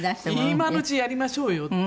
今のうちにやりましょうよって。